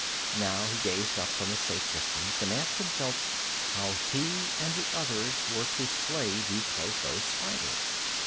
Now he gazed up from a safe distance and asked himself how he and the others were to slay the clotho spider.